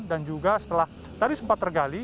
dan juga setelah tadi sempat tergali